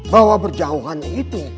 bahwa berjauhan itu